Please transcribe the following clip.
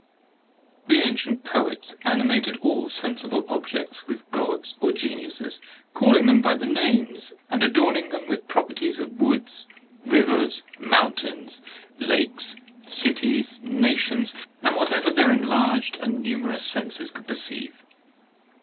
The ancient poets animated all sen sible objects with Gods or Geniuses, calling them by the names and adorn ing them with properties of woods, rivers, mountains, lakes, cities, na tions, and whatever their enlarged and numerous senses could perceive.